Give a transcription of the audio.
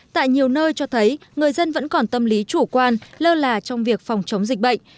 tại nhiều nơi cho thấy người dân vẫn còn tâm lý chủ quan lơ là trong việc phòng chống dịch bệnh